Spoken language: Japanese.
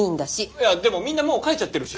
いやでもみんなもう帰っちゃってるし。